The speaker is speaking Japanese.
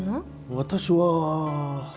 私は